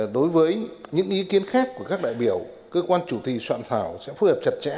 đối với những ý kiến khác của các đại biểu cơ quan chủ trì soạn thảo sẽ phù hợp chặt chẽ